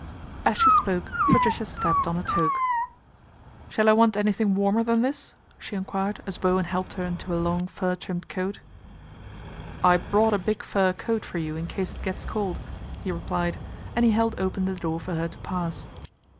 As she spoke Patricia stabbed on a toque. " Shall I want anything warmer than this ?" she enquired as Bowen helped her into a long fur trimmed coat. " I brought a big fur coat for you in case it gets cold," he replied, and he held open the door for her to pass.